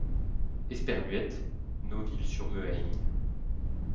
Esperluète, Noville-sur-Mehaigne.